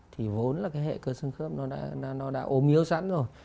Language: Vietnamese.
thì vốn là cái hệ cơ xương khớp nó đã ốm yếu sẵn rồi